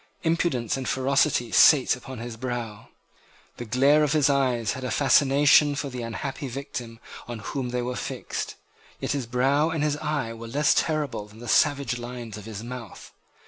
Impudence and ferocity sate upon his brow. The glare of his eyes had a fascination for the unhappy victim on whom they were fixed. Yet his brow and his eye were less terrible than the savage lines of his mouth.